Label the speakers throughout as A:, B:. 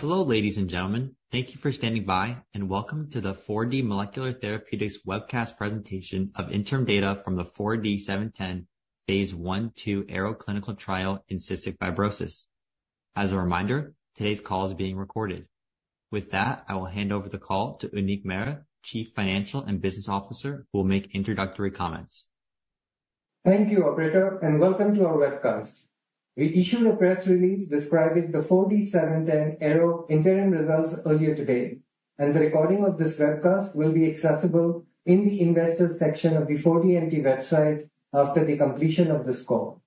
A: Hello, ladies and gentlemen. Thank you for standing by, and welcome to the 4D Molecular Therapeutics Webcast Presentation of Interim Data from the 4D-710 Phase I/II AEROW Clinical Trial in cystic fibrosis. As a reminder, today's call is being recorded. With that, I will hand over the call to Uneek Mehra, Chief Financial and Business Officer, who will make introductory comments.
B: Thank you, operator, and welcome to our webcast. We issued a press release describing the 4D-710 AEROW interim results earlier today, and the recording of this webcast will be accessible in the Investors section of the 4DMT website after the completion of this call.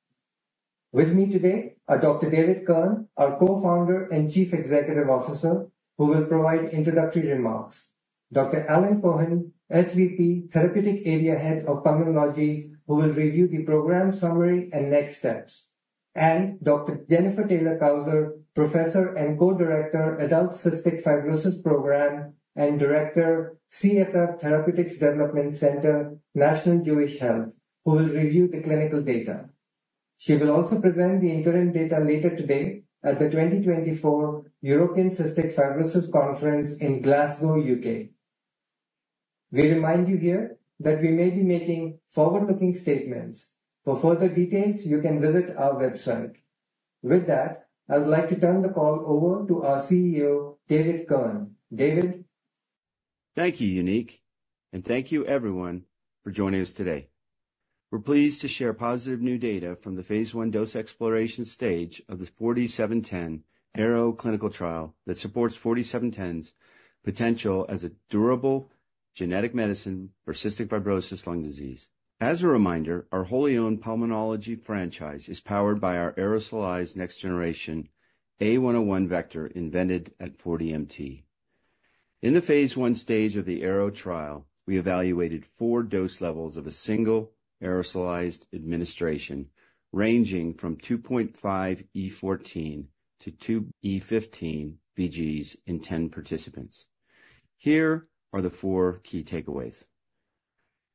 B: With me today are Dr. David Kirn, our Co-founder and Chief Executive Officer, who will provide introductory remarks. Dr. Alan Cohen, SVP Therapeutic Area Head of Pulmonology, who will review the program summary and next steps; and Dr. Jennifer Taylor-Cousar, Professor and Co-director, Adult Cystic Fibrosis Program and Director, CFF Therapeutics Development Center, National Jewish Health, who will review the clinical data. She will also present the interim data later today at the 2024 European Cystic Fibrosis Conference in Glasgow, U.K. We remind you here that we may be making forward-looking statements. For further details, you can visit our website. With that, I would like to turn the call over to our CEO, David Kirn. David?
C: Thank you, Uneek, and thank you everyone for joining us today. We're pleased to share positive new data from the phase I dose exploration stage of the 4D-710 AEROW clinical trial that supports 4D-710's potential as a durable genetic medicine for cystic fibrosis lung disease. As a reminder, our wholly owned pulmonology franchise is powered by our aerosolized next-generation A101 vector, invented at 4DMT. In the phase I stage of the AEROW trial, we evaluated 4 dose levels of a single aerosolized administration, ranging from 2.5 × 10^14 to 2 × 10^15 VGs in 10 participants. Here are the 4 key takeaways.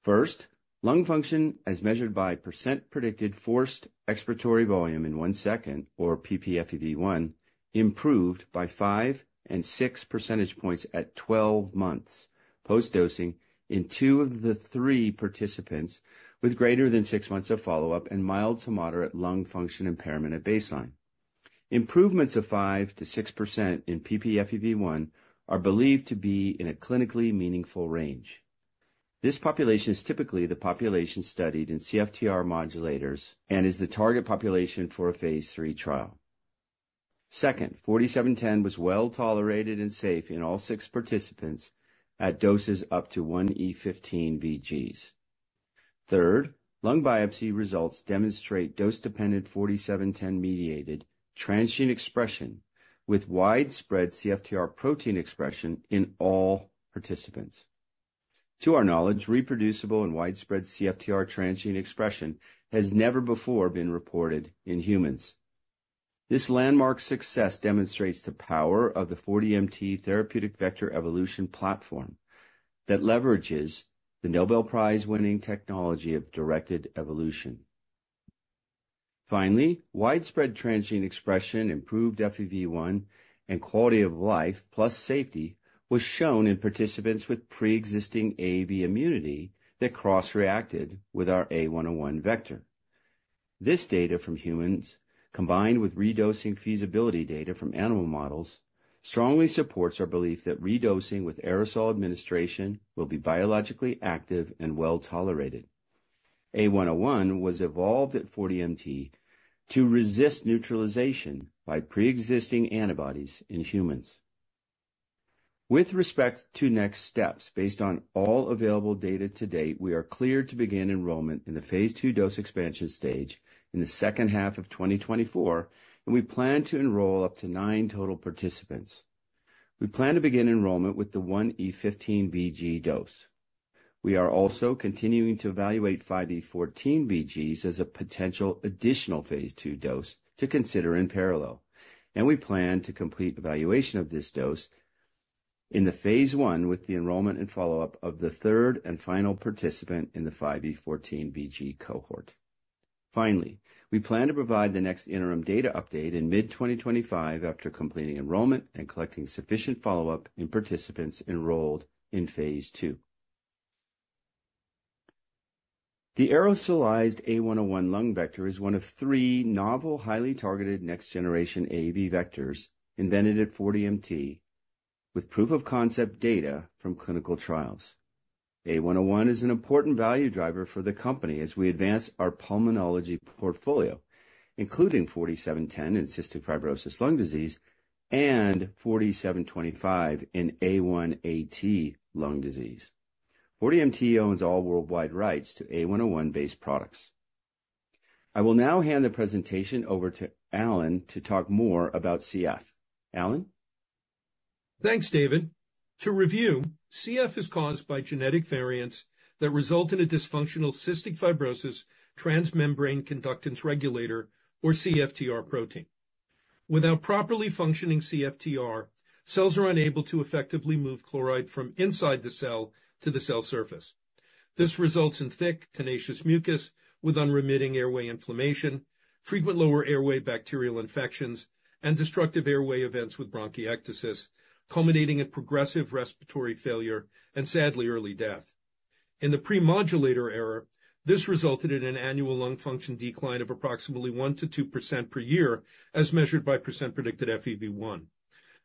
C: First, lung function, as measured by percent predicted forced expiratory volume in one second, or ppFEV1, improved by 5 and 6 percentage points at 12 months post-dosing in two of the three participants, with greater than 6 months of follow-up and mild to moderate lung function impairment at baseline. Improvements of 5%-6% in ppFEV1 are believed to be in a clinically meaningful range. This population is typically the population studied in CFTR modulators and is the target population for a phase III trial. Second, 4D-710 was well-tolerated and safe in all six participants at doses up to 1 × 10^15 VGs. Third, lung biopsy results demonstrate dose-dependent 4D-710-mediated transient expression with widespread CFTR protein expression in all participants. To our knowledge, reproducible and widespread CFTR transient expression has never before been reported in humans. This landmark success demonstrates the power of the 4DMT Therapeutic Vector Evolution platform that leverages the Nobel Prize-winning technology of directed evolution. Finally, widespread transient expression, improved FEV1, and quality of life, plus safety, was shown in participants with pre-existing AAV immunity that cross-reacted with our A101 vector. This data from humans, combined with redosing feasibility data from animal models, strongly supports our belief that redosing with aerosol administration will be biologically active and well-tolerated. A101 was evolved at 4DMT to resist neutralization by pre-existing antibodies in humans. With respect to next steps, based on all available data to date, we are clear to begin enrollment in the phase II dose expansion stage in the second half of 2024, and we plan to enroll up to nine total participants. We plan to begin enrollment with the 1E15 VG dose. We are also continuing to evaluate 5E14 VGs as a potential additional phase II dose to consider in parallel, and we plan to complete evaluation of this dose in the phase I, with the enrollment and follow-up of the third and final participant in the 5E14 VG cohort. Finally, we plan to provide the next interim data update in mid-2025 after completing enrollment and collecting sufficient follow-up in participants enrolled in phase II. The aerosolized A101 lung vector is one of three novel, highly targeted next-generation AAV vectors invented at 4DMT, with proof-of-concept data from clinical trials. A101 is an important value driver for the company as we advance our pulmonology portfolio, including 4D-710 in cystic fibrosis lung disease and 4D-725 in α-1-AT lung disease. 4DMT owns all worldwide rights to A101-based products. I will now hand the presentation over to Alan to talk more about CF. Alan?
D: Thanks, David. To review, CF is caused by genetic variants that result in a dysfunctional cystic fibrosis transmembrane conductance regulator, or CFTR protein. Without properly functioning CFTR, cells are unable to effectively move chloride from inside the cell to the cell surface. This results in thick, tenacious mucus with unremitting airway inflammation, frequent lower airway bacterial infections, and destructive airway events with bronchiectasis, culminating in progressive respiratory failure and, sadly, early death. In the pre-modulator era, this resulted in an annual lung function decline of approximately 1%-2% per year, as measured by percent predicted FEV1.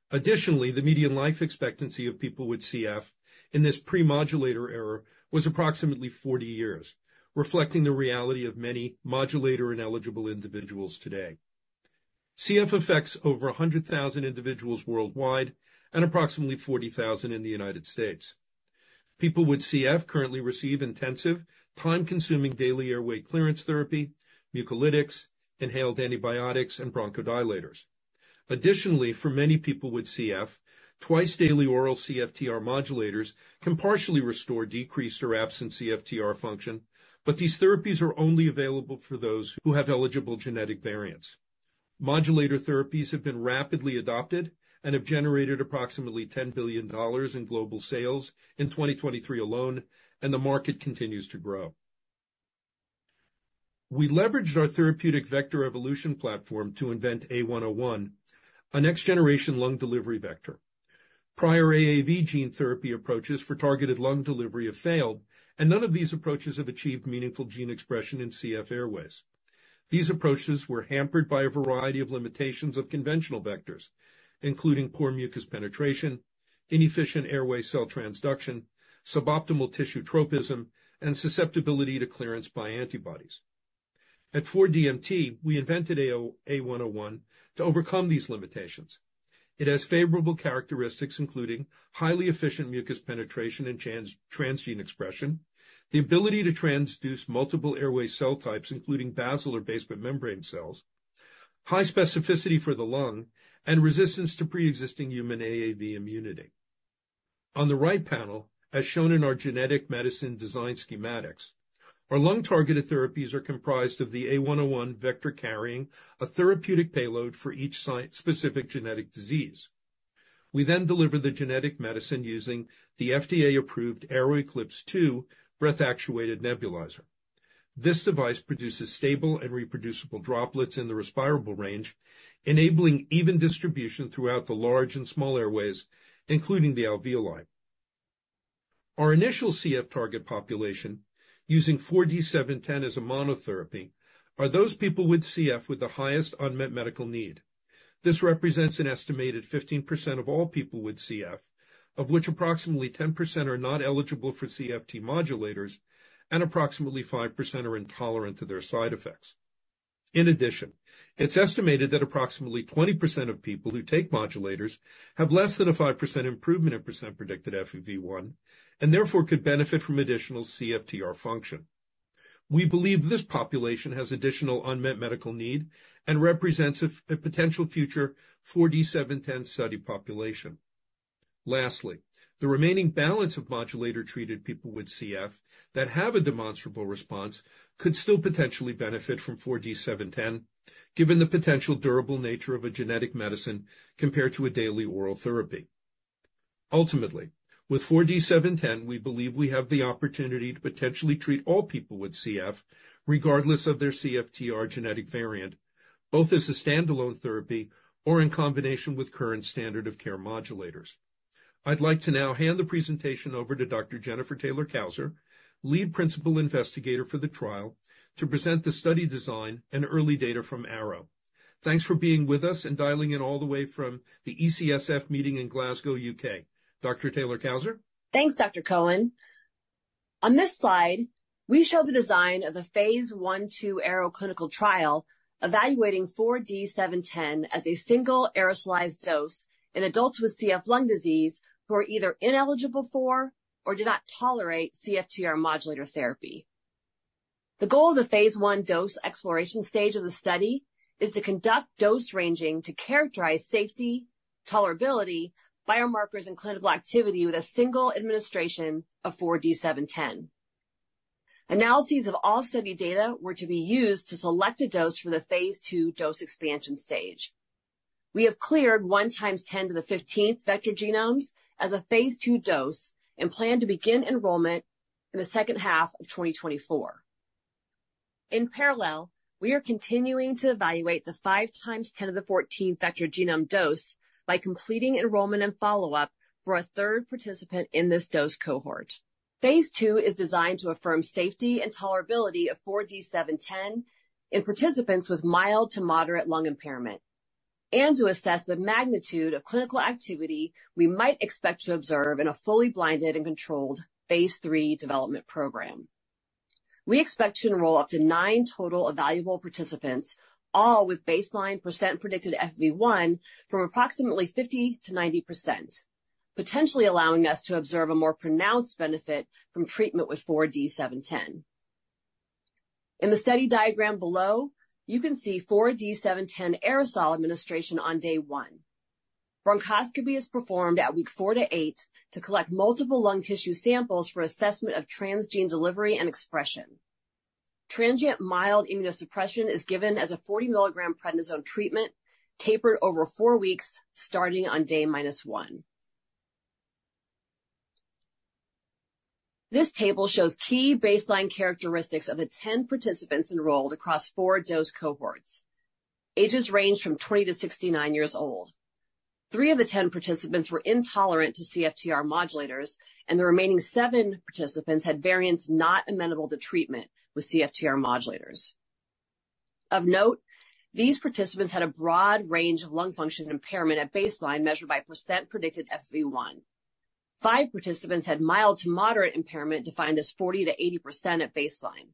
D: Additionally, the median life expectancy of people with CF in this pre-modulator era was approximately 40 years, reflecting the reality of many modulator-ineligible individuals today. CF affects over 100,000 individuals worldwide and approximately 40,000 in the United States. People with CF currently receive intensive, time-consuming daily airway clearance therapy, mucolytics, inhaled antibiotics, and bronchodilators. Additionally, for many people with CF, twice-daily oral CFTR modulators can partially restore decreased or absent CFTR function, but these therapies are only available for those who have eligible genetic variants. Modulator therapies have been rapidly adopted and have generated approximately $10 billion in global sales in 2023 alone, and the market continues to grow. We leveraged our therapeutic vector evolution platform to invent A101, a next-generation lung delivery vector. Prior AAV gene therapy approaches for targeted lung delivery have failed, and none of these approaches have achieved meaningful gene expression in CF airways. These approaches were hampered by a variety of limitations of conventional vectors, including poor mucus penetration, inefficient airway cell transduction, suboptimal tissue tropism, and susceptibility to clearance by antibodies. At 4DMT, we invented A101 to overcome these limitations. It has favorable characteristics, including highly efficient mucus penetration and transgene expression, the ability to transduce multiple airway cell types, including basal or basement membrane cells, high specificity for the lung, and resistance to pre-existing human AAV immunity. On the right panel, as shown in our genetic medicine design schematics, our lung-targeted therapies are comprised of the A101 vector carrying a therapeutic payload for each site-specific genetic disease. We then deliver the genetic medicine using the FDA-approved AeroEclipse II breath-actuated nebulizer. This device produces stable and reproducible droplets in the respirable range, enabling even distribution throughout the large and small airways, including the alveoli. Our initial CF target population, using 4D-710 as a monotherapy, are those people with CF with the highest unmet medical need. This represents an estimated 15% of all people with CF, of which approximately 10% are not eligible for CFTR modulators and approximately 5% are intolerant to their side effects. In addition, it's estimated that approximately 20% of people who take modulators have less than a 5% improvement in percent-predicted FEV1, and therefore could benefit from additional CFTR function. We believe this population has additional unmet medical need and represents a, a potential future for 4D-710 study population. Lastly, the remaining balance of modulator-treated people with CF that have a demonstrable response could still potentially benefit from 4D-710, given the potential durable nature of a genetic medicine compared to a daily oral therapy. Ultimately, with 4D-710, we believe we have the opportunity to potentially treat all people with CF, regardless of their CFTR genetic variant, both as a standalone therapy or in combination with current standard of care modulators. I'd like to now hand the presentation over to Dr. Jennifer Taylor-Cousar, lead principal investigator for the trial, to present the study design and early data from AEROW. Thanks for being with us and dialing in all the way from the ECFS meeting in Glasgow, U.K. Dr. Taylor-Cousar?
E: Thanks, Dr. Cohen. On this slide, we show the design of the phase I/II AEROW clinical trial, evaluating 4D-710 as a single aerosolized dose in adults with CF lung disease who are either ineligible for or do not tolerate CFTR modulator therapy. The goal of the phase I dose exploration stage of the study is to conduct dose ranging to characterize safety, tolerability, biomarkers, and clinical activity with a single administration of 4D-710. Analyses of all study data were to be used to select a dose for the phase II dose expansion stage. We have cleared 1 × 10 to the 15th vector genomes as a phase II dose and plan to begin enrollment in the second half of 2024. In parallel, we are continuing to evaluate the 5 × 10^14 vector genome dose by completing enrollment and follow-up for a third participant in this dose cohort. Phase II is designed to affirm safety and tolerability of 4D-710 in participants with mild to moderate lung impairment, and to assess the magnitude of clinical activity we might expect to observe in a fully blinded and controlled phase III development program. We expect to enroll up to 9 total evaluable participants, all with baseline percent predicted FEV1 from approximately 50%-90%, potentially allowing us to observe a more pronounced benefit from treatment with 4D-710. In the study diagram below, you can see 4D-710 aerosol administration on day 1. Bronchoscopy is performed at week 4 to 8 to collect multiple lung tissue samples for assessment of transgene delivery and expression. Transient mild immunosuppression is given as a 40-milligram prednisone treatment, tapered over 4 weeks, starting on day -1. This table shows key baseline characteristics of the 10 participants enrolled across 4 dose cohorts. Ages range from 20 to 69 years old. Three of the 10 participants were intolerant to CFTR modulators, and the remaining 7 participants had variants not amenable to treatment with CFTR modulators. Of note, these participants had a broad range of lung function impairment at baseline, measured by % predicted FEV1. 5 participants had mild to moderate impairment, defined as 40%-80% at baseline.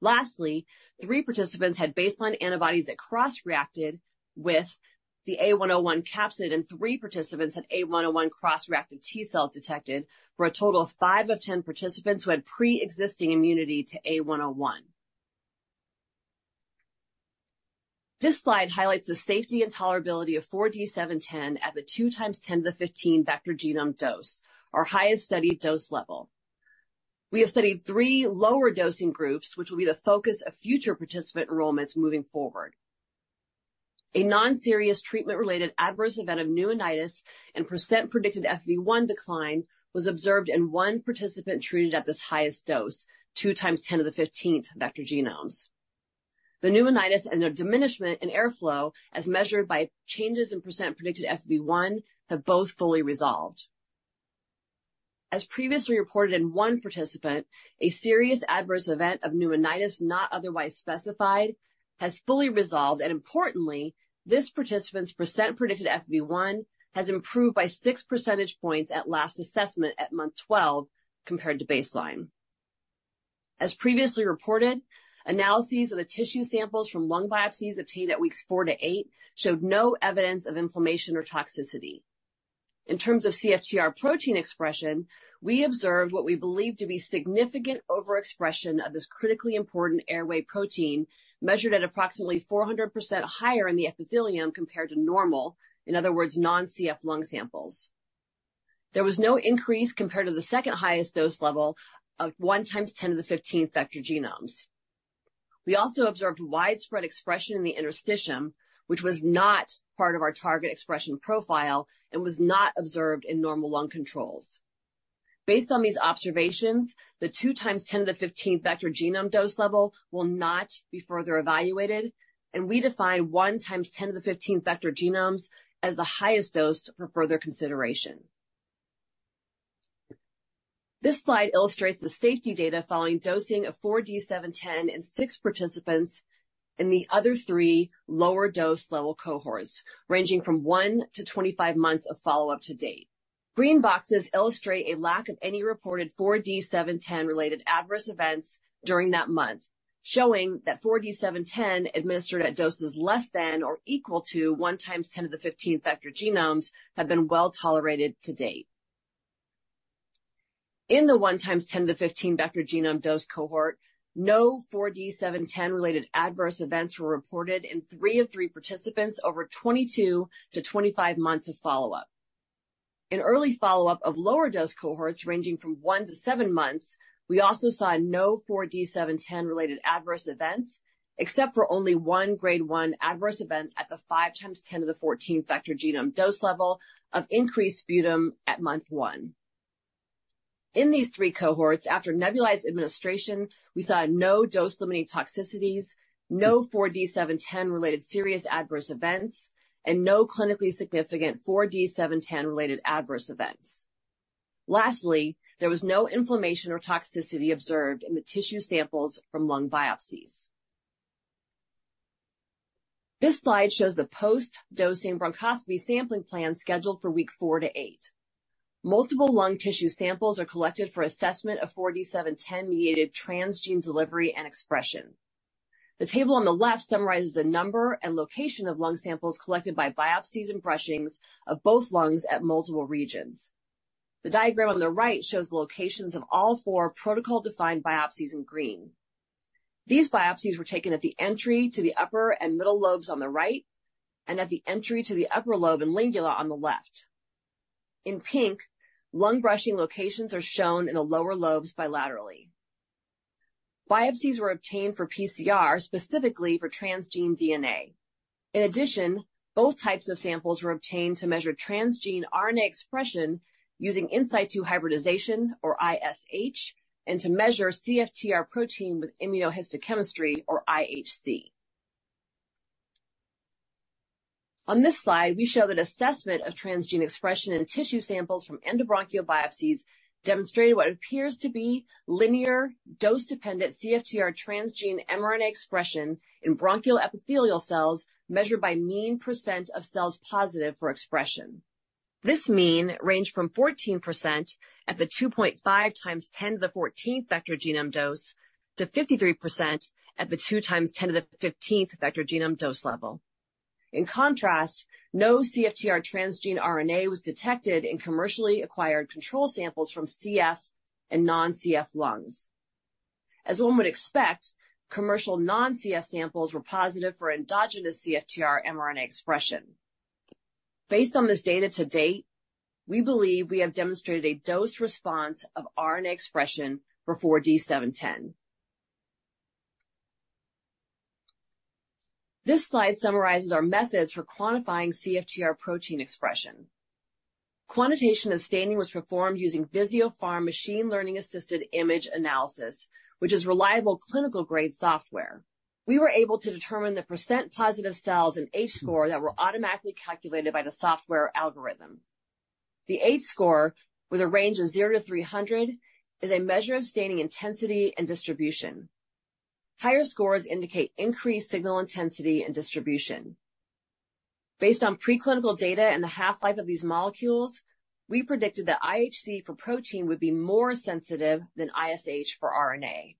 E: Lastly, 3 participants had baseline antibodies that cross-reacted with the A101 capsid, and 3 participants had A101 cross-reactive T cells detected for a total of 5 of 10 participants who had preexisting immunity to A101. This slide highlights the safety and tolerability of 4D-710 at the 2 × 10^15 vector genome dose, our highest studied dose level. We have studied 3 lower dosing groups, which will be the focus of future participant enrollments moving forward. A non-serious treatment related adverse event of pneumonitis and percent predicted FEV1 decline was observed in 1 participant treated at this highest dose, 2 × 10^15 vector genomes. The pneumonitis and a diminishment in airflow, as measured by changes in percent predicted FEV1, have both fully resolved. As previously reported in one participant, a serious adverse event of pneumonitis not otherwise specified has fully resolved, and importantly, this participant's percent predicted FEV1 has improved by 6 percentage points at last assessment at month 12 compared to baseline. As previously reported, analyses of the tissue samples from lung biopsies obtained at weeks 4-8 showed no evidence of inflammation or toxicity. In terms of CFTR protein expression, we observed what we believe to be significant overexpression of this critically important airway protein, measured at approximately 400% higher in the epithelium compared to normal, in other words, non-CF lung samples. There was no increase compared to the second highest dose level of 1 × 10^15 vector genomes. We also observed widespread expression in the interstitium, which was not part of our target expression profile and was not observed in normal lung controls. Based on these observations, the 2 x 10^15 vector genome dose level will not be further evaluated, and we define 1 x 10^15 vector genomes as the highest dose for further consideration. This slide illustrates the safety data following dosing of 4D-710 in six participants, in the other three lower dose level cohorts, ranging from 1-25 months of follow-up to date. Green boxes illustrate a lack of any reported 4D-710-related adverse events during that month, showing that 4D-710 administered at doses less than or equal to 1 x 10^15 vector genomes have been well tolerated to date. In the 1 x 10^15 vector genome dose cohort, no 4D-710-related adverse events were reported in three of three participants over 22-25 months of follow-up. In early follow-up of lower dose cohorts ranging from 1 to 7 months, we also saw no 4D-710-related adverse events, except for only one grade 1 adverse event at the 5 × 10^{14} vector genome dose level of increased sputum at month 1. In these three cohorts, after nebulized administration, we saw no dose-limiting toxicities, no 4D-710-related serious adverse events, and no clinically significant 4D-710-related adverse events. Lastly, there was no inflammation or toxicity observed in the tissue samples from lung biopsies. This slide shows the post-dosing bronchoscopy sampling plan scheduled for week 4 to 8. Multiple lung tissue samples are collected for assessment of 4D-710-mediated transgene delivery and expression. The table on the left summarizes the number and location of lung samples collected by biopsies and brushings of both lungs at multiple regions. The diagram on the right shows the locations of all 4 protocol-defined biopsies in green. These biopsies were taken at the entry to the upper and middle lobes on the right, and at the entry to the upper lobe and lingula on the left. In pink, lung brushing locations are shown in the lower lobes bilaterally. Biopsies were obtained for PCR, specifically for transgene DNA. In addition, both types of samples were obtained to measure transgene RNA expression using in situ hybridization, or ISH, and to measure CFTR protein with immunohistochemistry, or IHC. On this slide, we show that assessment of transgene expression in tissue samples from endobronchial biopsies demonstrated what appears to be linear dose-dependent CFTR transgene mRNA expression in bronchial epithelial cells, measured by mean % of cells positive for expression. This mean ranged from 14% at the 2.5 x 10^14 vector genome dose, to 53% at the 2 x 10^15 vector genome dose level. In contrast, no CFTR transgene RNA was detected in commercially acquired control samples from CF and non-CF lungs. As one would expect, commercial non-CF samples were positive for endogenous CFTR mRNA expression. Based on this data to date, we believe we have demonstrated a dose response of RNA expression for 4D-710. This slide summarizes our methods for quantifying CFTR protein expression. Quantitation of staining was performed using Visiopharm machine learning-assisted image analysis, which is reliable clinical-grade software. We were able to determine the percent positive cells in H-score that were automatically calculated by the software algorithm. The H-score, with a range of 0-300, is a measure of staining intensity and distribution. Higher scores indicate increased signal intensity and distribution. Based on preclinical data and the half-life of these molecules, we predicted that IHC for protein would be more sensitive than ISH for RNA.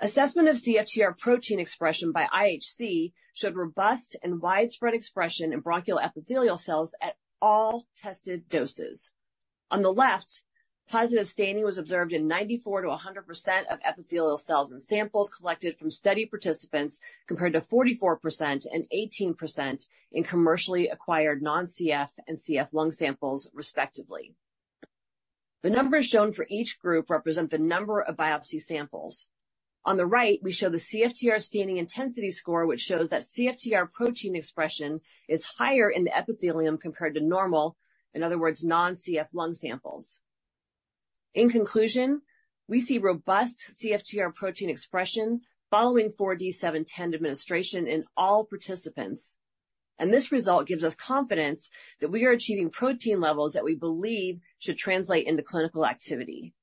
E: Assessment of CFTR protein expression by IHC showed robust and widespread expression in bronchial epithelial cells at all tested doses. On the left, positive staining was observed in 94%-100% of epithelial cells, and samples collected from study participants, compared to 44% and 18% in commercially acquired non-CF and CF lung samples, respectively. The numbers shown for each group represent the number of biopsy samples. On the right, we show the CFTR staining intensity score, which shows that CFTR protein expression is higher in the epithelium compared to normal, in other words, non-CF lung samples. In conclusion, we see robust CFTR protein expression following 4D-710 administration in all participants, and this result gives us confidence that we are achieving protein levels that we believe should translate into clinical activity.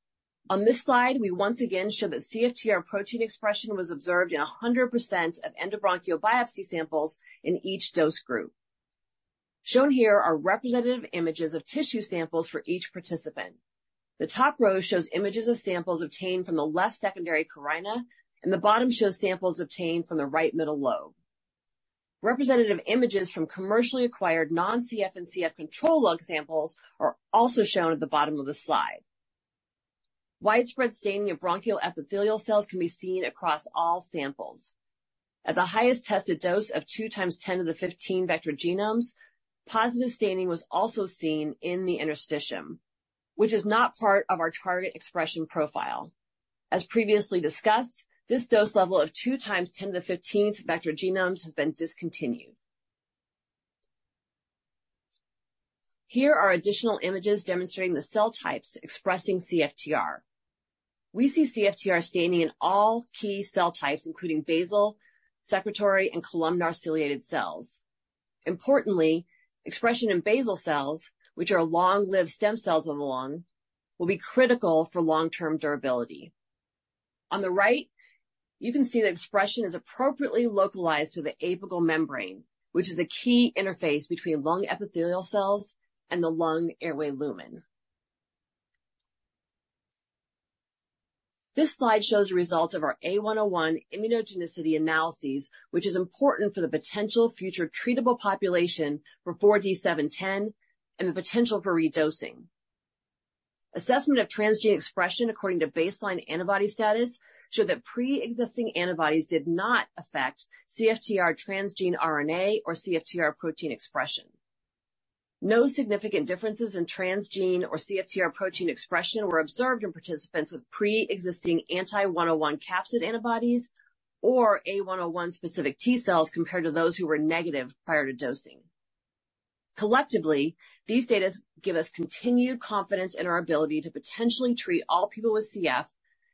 E: On this slide, we once again show that CFTR protein expression was observed in 100% of endobronchial biopsy samples in each dose group. Shown here are representative images of tissue samples for each participant. The top row shows images of samples obtained from the left secondary carina, and the bottom shows samples obtained from the right middle lobe. Representative images from commercially acquired non-CF and CF control lung samples are also shown at the bottom of the slide. Widespread staining of bronchial epithelial cells can be seen across all samples. At the highest tested dose of 2 × 10^15 vector genomes, positive staining was also seen in the interstitium, which is not part of our target expression profile. As previously discussed, this dose level of 2 × 10^15 vector genomes has been discontinued. Here are additional images demonstrating the cell types expressing CFTR. We see CFTR staining in all key cell types, including basal, secretory, and columnar ciliated cells. Importantly, expression in basal cells, which are long-lived stem cells of the lung, will be critical for long-term durability. On the right, you can see the expression is appropriately localized to the apical membrane, which is a key interface between lung epithelial cells and the lung airway lumen. This slide shows the results of our A101 immunogenicity analyses, which is important for the potential future treatable population for 4D-710, and the potential for redosing. Assessment of transgene expression according to baseline antibody status showed that preexisting antibodies did not affect CFTR transgene RNA or CFTR protein expression. No significant differences in transgene or CFTR protein expression were observed in participants with preexisting anti-A101 capsid antibodies or A101 specific T-cells, compared to those who were negative prior to dosing. Collectively, these data give us continued confidence in our ability to potentially treat all people with CF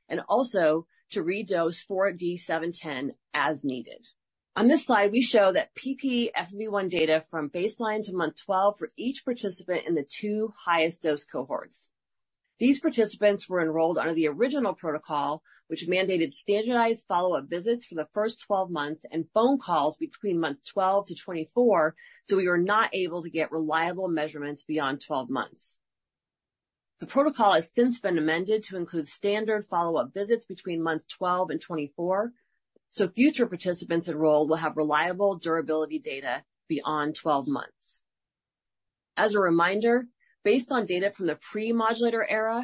E: and also to redose 4D-710 as needed. On this slide, we show that ppFEV1 data from baseline to month 12 for each participant in the two highest dose cohorts. These participants were enrolled under the original protocol, which mandated standardized follow-up visits for the first 12 months and phone calls between months 12 to 24, so we were not able to get reliable measurements beyond 12 months. The protocol has since been amended to include standard follow-up visits between months 12 and 24, so future participants enrolled will have reliable durability data beyond 12 months. As a reminder, based on data from the pre-modulator era,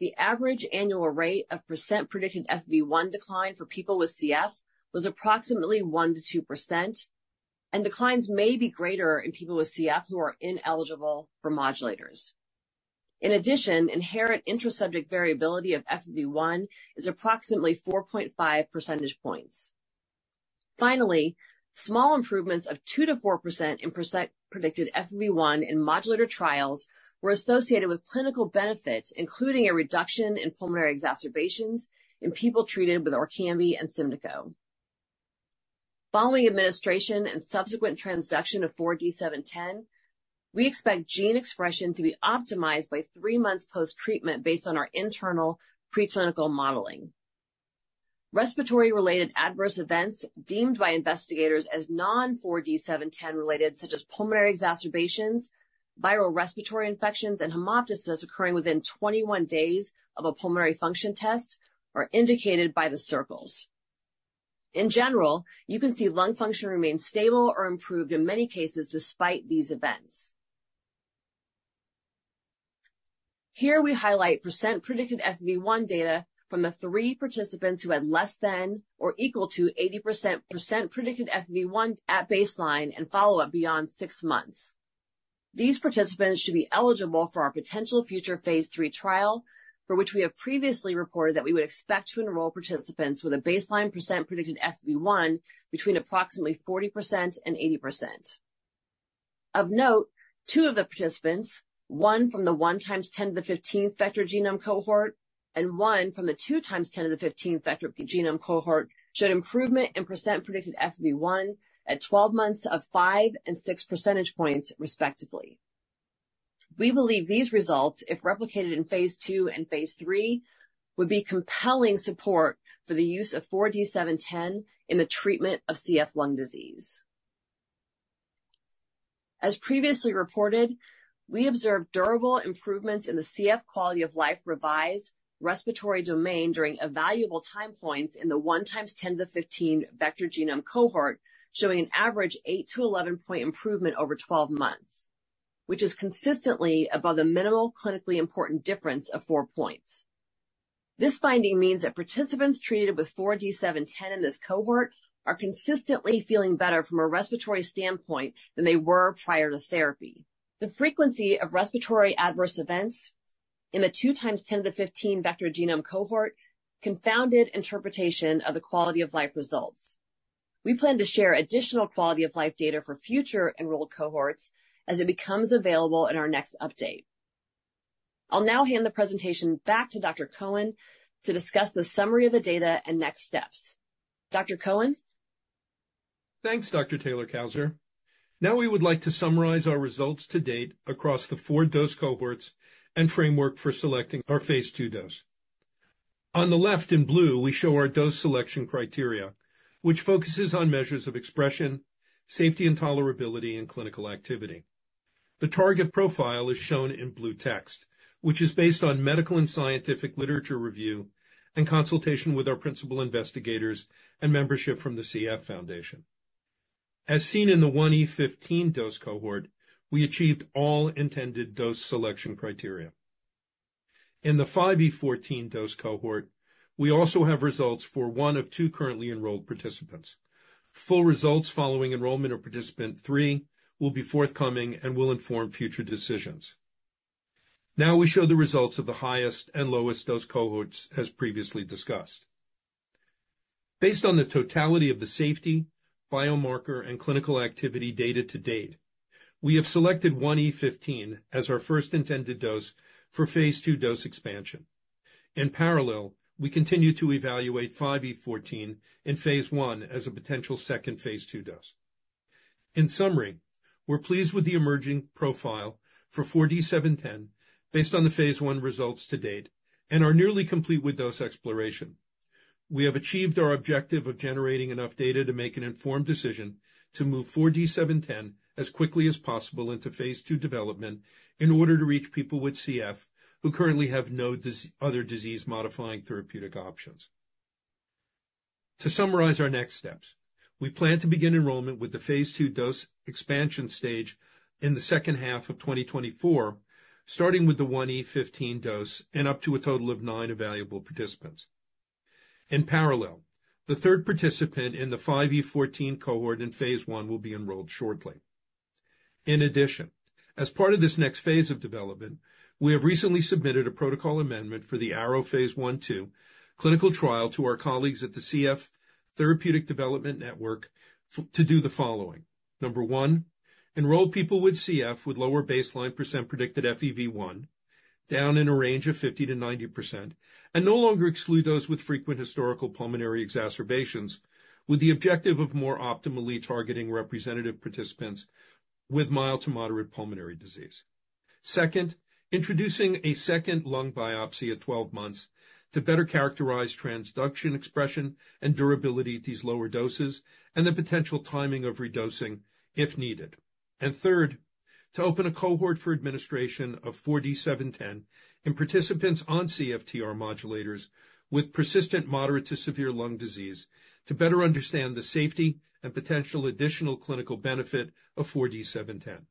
E: the average annual rate of percent predicted FEV1 decline for people with CF was approximately 1%-2%, and declines may be greater in people with CF who are ineligible for modulators. In addition, inherent intra-subject variability of FEV1 is approximately 4.5 percentage points. Finally, small improvements of 2%-4% in percent predicted FEV1 in modulator trials were associated with clinical benefits, including a reduction in pulmonary exacerbations in people treated with Orkambi and Symdeko. Following administration and subsequent transduction of 4D-710, we expect gene expression to be optimized by 3 months post-treatment based on our internal preclinical modeling. Respiratory-related adverse events deemed by investigators as non 4D-710-related, such as pulmonary exacerbations, viral respiratory infections, and hemoptysis occurring within 21 days of a pulmonary function test, are indicated by the circles. In general, you can see lung function remains stable or improved in many cases despite these events. Here, we highlight percent predicted FEV1 data from the 3 participants who had less than or equal to 80% percent predicted FEV1 at baseline and follow-up beyond 6 months. These participants should be eligible for our potential future phase III trial, for which we have previously reported that we would expect to enroll participants with a baseline percent predicted FEV1 between approximately 40% and 80%. Of note, two of the participants, one from the 1 × 10^15 vector genome cohort, and one from the 2 × 10^15 vector genome cohort, showed improvement in percent predicted FEV1 at 12 months of 5 and 6 percentage points, respectively. We believe these results, if replicated in phase II and phase III, would be compelling support for the use of 4D-710 in the treatment of CF lung disease. As previously reported, we observed durable improvements in the CF quality of life revised respiratory domain during evaluable time points in the 1 × 10^15 vector genome cohort, showing an average 8-11-point improvement over 12 months, which is consistently above the minimal clinically important difference of 4 points. This finding means that participants treated with 4D-710 in this cohort are consistently feeling better from a respiratory standpoint than they were prior to therapy. The frequency of respiratory adverse events in the 2 × 10^15 vector genome cohort confounded interpretation of the quality of life results. We plan to share additional quality of life data for future enrolled cohorts as it becomes available in our next update. I'll now hand the presentation back to Dr. Cohen to discuss the summary of the data and next steps. Dr. Cohen?
D: Thanks, Dr. Taylor-Cousar. Now, we would like to summarize our results to date across the 4 dose cohorts and framework for selecting our phase II dose. On the left in blue, we show our dose selection criteria, which focuses on measures of expression, safety and tolerability, and clinical activity. The target profile is shown in blue text, which is based on medical and scientific literature review and consultation with our principal investigators and membership from the CF Foundation. As seen in the 1E15 dose cohort, we achieved all intended dose selection criteria. In the 5E14 dose cohort, we also have results for 1 of 2 currently enrolled participants. Full results following enrollment of participant 3 will be forthcoming and will inform future decisions. Now, we show the results of the highest and lowest dose cohorts, as previously discussed. Based on the totality of the safety, biomarker, and clinical activity data to date, we have selected 1E15 as our first intended dose for phase II dose expansion. In parallel, we continue to evaluate 5E14 in phase I as a potential second phase II dose. In summary, we're pleased with the emerging profile for 4D-710, based on the phase I results to date, and are nearly complete with dose exploration. We have achieved our objective of generating enough data to make an informed decision to move 4D-710 as quickly as possible into phase II development, in order to reach people with CF who currently have no other disease-modifying therapeutic options. To summarize our next steps, we plan to begin enrollment with the Phase II dose expansion stage in the second half of 2024, starting with the 1E15 dose and up to a total of 9 evaluable participants. In parallel, the third participant in the 5E14 cohort in Phase I will be enrolled shortly. In addition, as part of this next phase of development, we have recently submitted a protocol amendment for the AEROW Phase I/II clinical trial to our colleagues at the CF Therapeutic Development Network to do the following: Number one, enroll people with CF with lower baseline percent predicted FEV1, down in a range of 50%-90%, and no longer exclude those with frequent historical pulmonary exacerbations, with the objective of more optimally targeting representative participants with mild to moderate pulmonary disease. Second, introducing a second lung biopsy at 12 months to better characterize transduction, expression, and durability at these lower doses, and the potential timing of redosing if needed. Third, to open a cohort for administration of 4D-710 in participants on CFTR modulators with persistent moderate to severe lung disease, to better understand the safety and potential additional clinical benefit of 4D-710.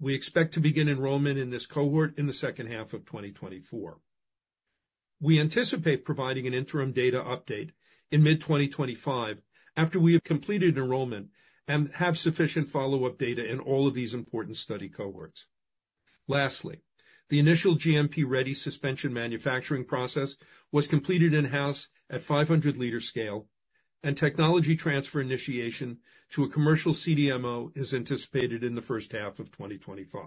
D: We expect to begin enrollment in this cohort in the second half of 2024. We anticipate providing an interim data update in mid-2025, after we have completed enrollment and have sufficient follow-up data in all of these important study cohorts. Lastly, the initial GMP-ready suspension manufacturing process was completed in-house at 500-liter scale, and technology transfer initiation to a commercial CDMO is anticipated in the first half of 2025.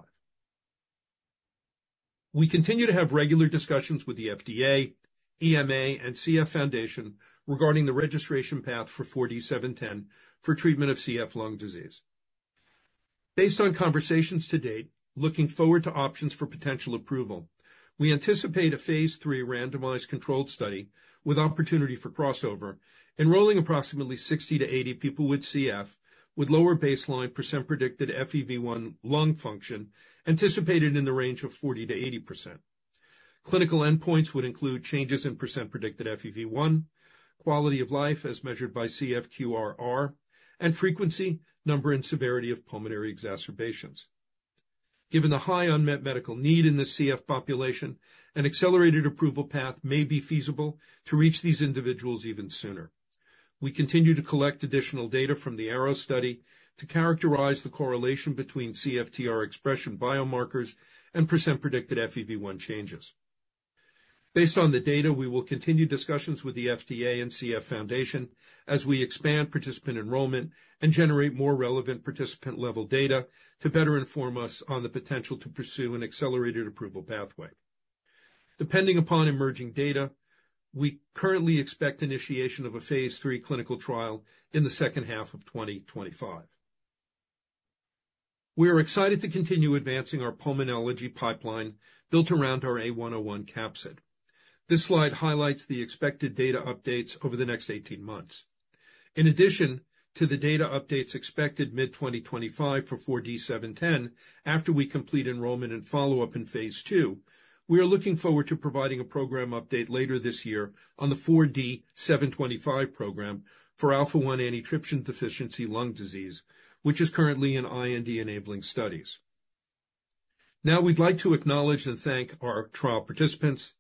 D: We continue to have regular discussions with the FDA, EMA, and CF Foundation regarding the registration path for 4D-710 for treatment of CF lung disease. Based on conversations to date, looking forward to options for potential approval, we anticipate a phase III randomized controlled study with opportunity for crossover, enrolling approximately 60-80 people with CF with lower baseline percent predicted FEV1 lung function, anticipated in the range of 40%-80%. Clinical endpoints would include changes in percent predicted FEV1, quality of life as measured by CFQ-R, and frequency, number, and severity of pulmonary exacerbations. Given the high unmet medical need in the CF population, an accelerated approval path may be feasible to reach these individuals even sooner. We continue to collect additional data from the AEROW study to characterize the correlation between CFTR expression biomarkers and percent predicted FEV1 changes. Based on the data, we will continue discussions with the FDA and CF Foundation as we expand participant enrollment and generate more relevant participant-level data to better inform us on the potential to pursue an accelerated approval pathway. Depending upon emerging data, we currently expect initiation of a phase III clinical trial in the second half of 2025. We are excited to continue advancing our pulmonology pipeline built around our A101 capsid. This slide highlights the expected data updates over the next 18 months. In addition to the data updates expected mid-2025 for 4D-710, after we complete enrollment and follow-up in phase II, we are looking forward to providing a program update later this year on the 4D-725 program for alpha-1 antitrypsin deficiency lung disease, which is currently in IND-enabling studies. Now, we'd like to acknowledge and thank our trial participants,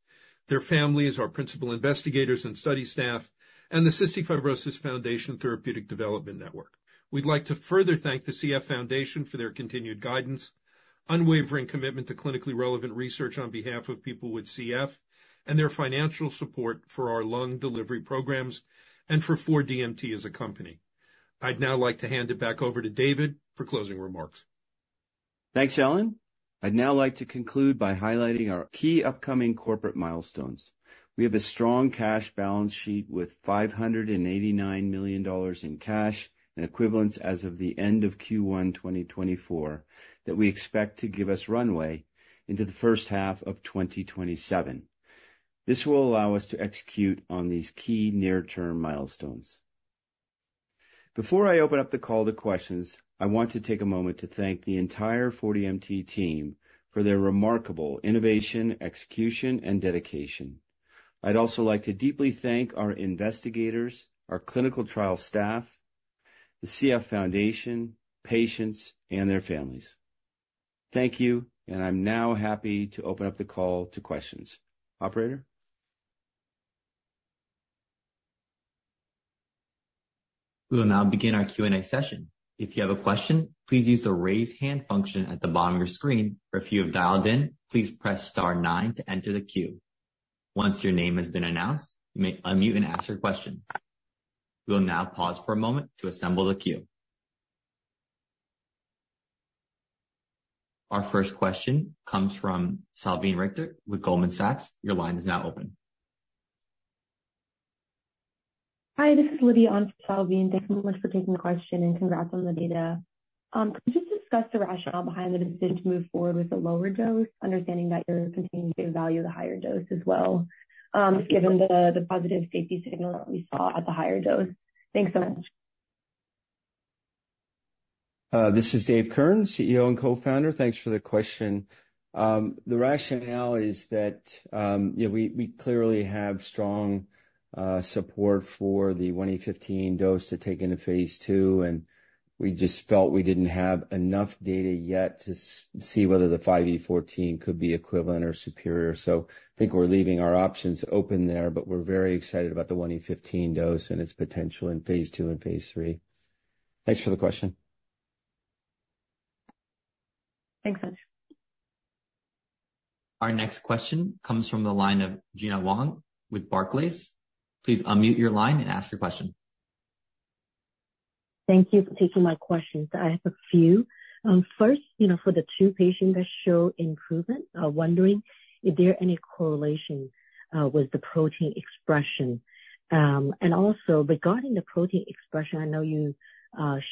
D: their families, our principal investigators and study staff, and the Cystic Fibrosis Foundation Therapeutic Development Network. We'd like to further thank the CF Foundation for their continued guidance, unwavering commitment to clinically relevant research on behalf of people with CF, and their financial support for our lung delivery programs and for 4DMT as a company. I'd now like to hand it back over to David for closing remarks.
C: Thanks, Alan. I'd now like to conclude by highlighting our key upcoming corporate milestones. We have a strong cash balance sheet with $589 million in cash and equivalents as of the end of Q1 2024, that we expect to give us runway into the first half of 2027. This will allow us to execute on these key near-term milestones. Before I open up the call to questions, I want to take a moment to thank the entire 4DMT team for their remarkable innovation, execution, and dedication. I'd also like to deeply thank our investigators, our clinical trial staff, the CF Foundation, patients, and their families. Thank you, and I'm now happy to open up the call to questions. Operator?
A: We will now begin our Q&A session. If you have a question, please use the Raise Hand function at the bottom of your screen, or if you have dialed in, please press star nine to enter the queue. Once your name has been announced, you may unmute and ask your question. We will now pause for a moment to assemble the queue. Our first question comes from Salveen Richter with Goldman Sachs. Your line is now open.
F: Hi, this is Lydia on Salveen. Thank you so much for taking the question, and congrats on the data. Can you just discuss the rationale behind the decision to move forward with the lower dose, understanding that you're continuing to value the higher dose as well, given the positive safety signal that we saw at the higher dose? Thanks so much.
C: This is David Kirn, CEO and co-founder. Thanks for the question. The rationale is that, yeah, we clearly have strong support for the 1E15 dose to take into phase II, and we just felt we didn't have enough data yet to see whether the 5E14 could be equivalent or superior. So I think we're leaving our options open there, but we're very excited about the 1E15 dose and its potential in phase II and phase III. Thanks for the question.
F: Thanks, guys.
A: Our next question comes from the line of Gena Wang with Barclays. Please unmute your line and ask your question.
G: Thank you for taking my questions. I have a few. First, you know, for the two patients that show improvement, I'm wondering, is there any correlation with the protein expression? And also, regarding the protein expression, I know you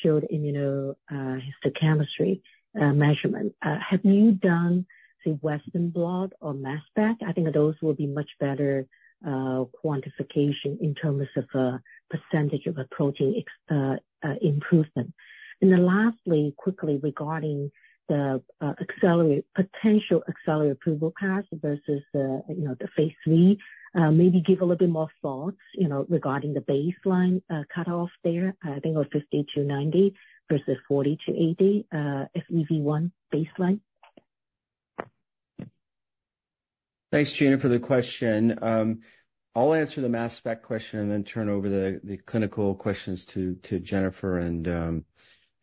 G: showed immunohistochemistry measurement. Have you done the Western blot or mass spec? I think those will be much better quantification in terms of percentage of protein expression improvement. And then lastly, quickly, regarding the potential accelerated approval path versus, you know, the phase III, maybe give a little bit more thoughts, you know, regarding the baseline cutoff there, I think, or 50-90 versus 40-80 FEV1 baseline.
C: Thanks, Gena, for the question. I'll answer the mass spec question and then turn over the clinical questions to Jennifer and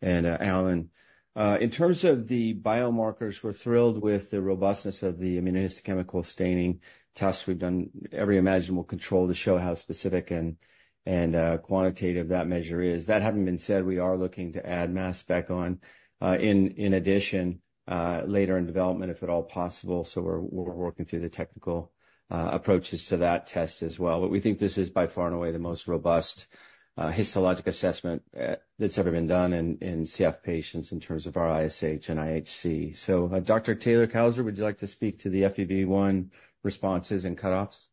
C: Alan. In terms of the biomarkers, we're thrilled with the robustness of the immunohistochemical staining tests. We've done every imaginable control to show how specific and quantitative that measure is. That having been said, we are looking to add mass spec on in addition later in development, if at all possible, so we're working through the technical approaches to that test as well. But we think this is by far and away the most robust histologic assessment that's ever been done in CF patients in terms of our ISH and IHC. So, Dr. Taylor-Cousar, would you like to speak to the FEV1 responses and cutoffs?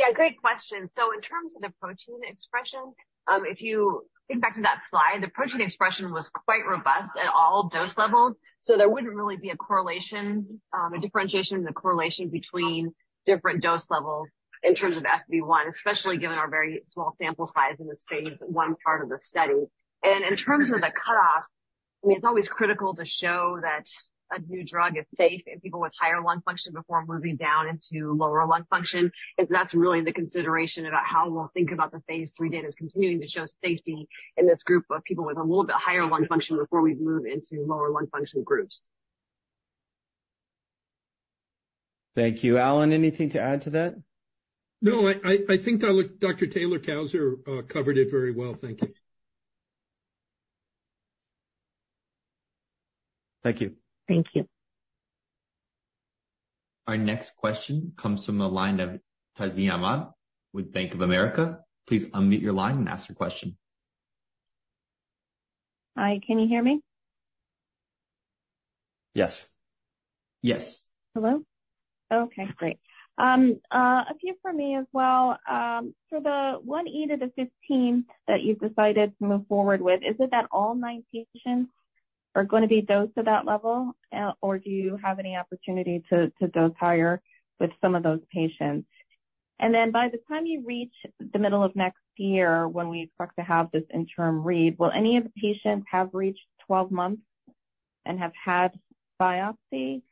E: Yeah, great question. So in terms of the protein expression, if you think back to that slide, the protein expression was quite robust at all dose levels, so there wouldn't really be a correlation, a differentiation in the correlation between different dose levels in terms of SB1, especially given our very small sample size in this phase I part of the study. And in terms of the cutoff-... It's always critical to show that a new drug is safe in people with higher lung function before moving down into lower lung function, if that's really the consideration about how we'll think about the phase III data is continuing to show safety in this group of people with a little bit higher lung function before we move into lower lung function groups.
C: Thank you. Alan, anything to add to that?
D: No, I think Dr. Taylor-Cousar covered it very well. Thank you.
C: Thank you.
G: Thank you.
A: Our next question comes from the line of Tazeen Ahmad with Bank of America. Please unmute your line and ask your question.
H: Hi, can you hear me?
C: Yes. Yes.
H: Hello? Okay, great. A few for me as well. So the 10^15 that you've decided to move forward with, is it that all 9 patients are gonna be dosed to that level, or do you have any opportunity to dose higher with some of those patients? And then by the time you reach the middle of next year, when we expect to have this interim read, will any of the patients have reached 12 months and have had biopsy?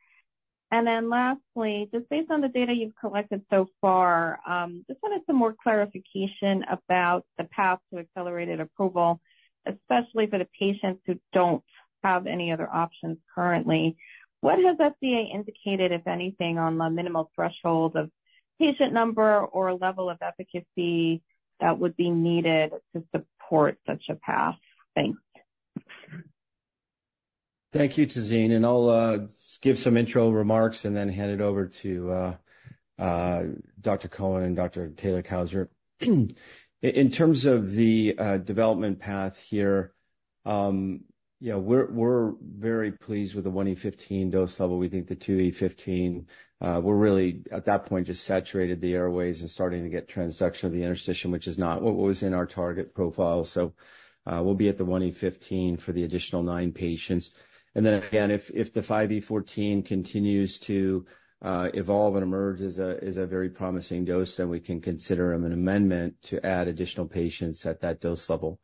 H: And then lastly, just based on the data you've collected so far, just wanted some more clarification about the path to accelerated approval, especially for the patients who don't have any other options currently. What has FDA indicated, if anything, on the minimal threshold of patient number or level of efficacy that would be needed to support such a path? Thanks.
C: Thank you, Tazeen, and I'll give some intro remarks and then hand it over to Dr. Cohen and Dr. Taylor-Cousar. In terms of the development path here, yeah, we're very pleased with the 1E15 dose level. We think the 2E15, we're really, at that point, just saturated the airways and starting to get transduction of the interstitium, which is not what was in our target profile. So, we'll be at the 1E15 for the additional nine patients. And then again, if the 5E14 continues to evolve and emerge as a very promising dose, then we can consider an amendment to add additional patients at that dose level.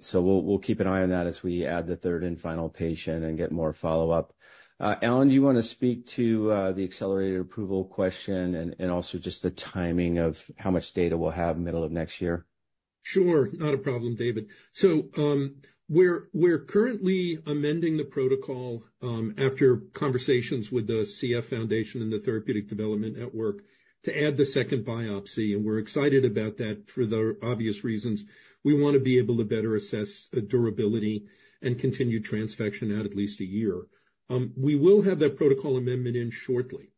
C: So we'll keep an eye on that as we add the third and final patient and get more follow-up. Alan, do you want to speak to the accelerated approval question and also just the timing of how much data we'll have middle of next year?
D: Sure. Not a problem, David. So, we're currently amending the protocol after conversations with the CF Foundation and the Therapeutic Development Network to add the second biopsy, and we're excited about that for the obvious reasons. We want to be able to better assess the durability and continued transfection out at least a year. We will have that protocol amendment in shortly,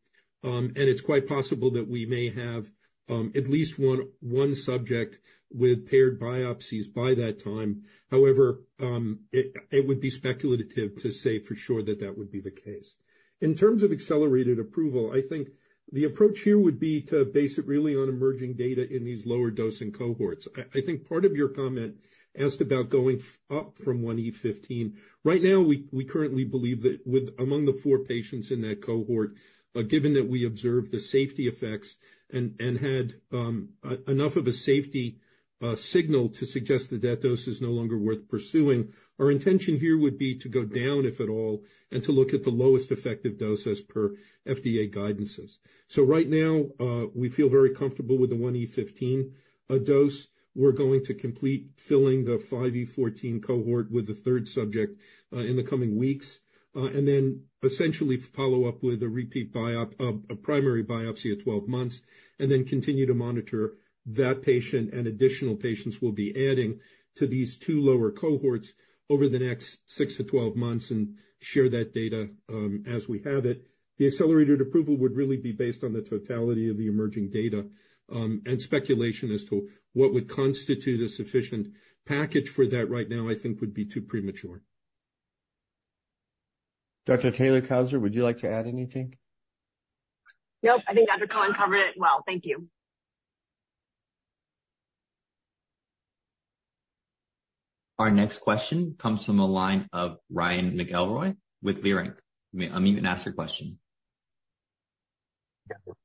D: and it's quite possible that we may have at least one subject with paired biopsies by that time. However, it would be speculative to say for sure that that would be the case. In terms of accelerated approval, I think the approach here would be to base it really on emerging data in these lower dosing cohorts. I think part of your comment asked about going up from 1 × 10^15. Right now, we currently believe that among the four patients in that cohort, given that we observed the safety effects and had enough of a safety signal to suggest that that dose is no longer worth pursuing, our intention here would be to go down, if at all, and to look at the lowest effective dose as per FDA guidances. So right now, we feel very comfortable with the 1E15 dose. We're going to complete filling the 5E14 cohort with a third subject in the coming weeks, and then essentially follow up with a repeat biopsy, a primary biopsy at 12 months, and then continue to monitor that patient and additional patients we'll be adding to these two lower cohorts over the next 6-12 months and share that data as we have it. The accelerated approval would really be based on the totality of the emerging data, and speculation as to what would constitute a sufficient package for that right now, I think, would be too premature.
C: Dr. Taylor-Cousar, would you like to add anything?
E: Nope. I think Dr. Cohen covered it well. Thank you.
A: Our next question comes from the line of Ryan McElroy with Leerink. You may unmute and ask your question.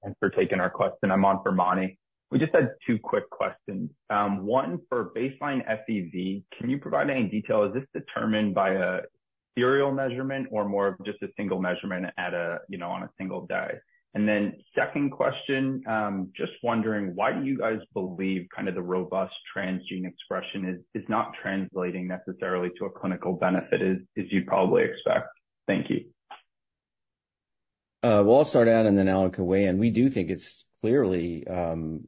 I: Thanks for taking our question. I'm on for Mani. We just had two quick questions. One for baseline FEV. Can you provide any detail? Is this determined by a serial measurement or more of just a single measurement at a, you know, on a single day? And then second question, just wondering, why do you guys believe kind of the robust transgene expression is, is not translating necessarily to a clinical benefit as, as you'd probably expect? Thank you.
C: Well, I'll start out and then Alan can weigh in. We do think it's clearly